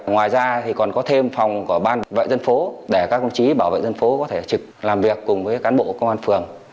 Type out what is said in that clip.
ngoài ra thì còn có thêm phòng của ban vệ dân phố để các công chí bảo vệ dân phố có thể trực làm việc cùng với cán bộ công an phường